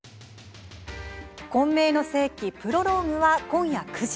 「混迷の世紀プロローグ」は今夜９時。